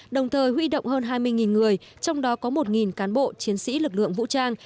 đồng thời huy động hơn hai mươi người trong đó có một cán bộ chiến sĩ lực lượng vũ trang